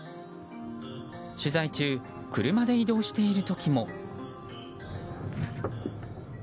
取材中車で移動している時も。